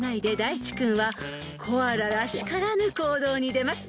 いち君はコアラらしからぬ行動に出ます］